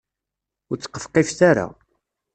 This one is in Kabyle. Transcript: Ur ttqefqifet ara.